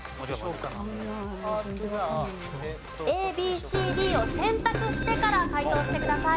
ＡＢＣＤを選択してから解答してください。